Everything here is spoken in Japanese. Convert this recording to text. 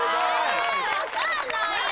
分かんないよ！